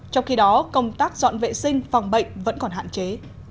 trong khi đó công tác dọn vệ sinh phòng bệnh vẫn còn hạn chế